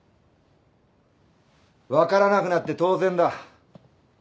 分からなくなって当然だ。